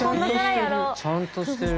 ちゃんとしてる。